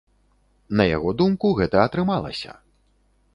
На яго думку, гэта атрымалася.